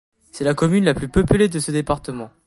C'est la commune la plus peuplée de ce département.